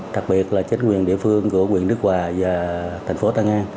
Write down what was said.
đặc biệt là chính quyền địa phương của quyền đức hòa và thành phố tân an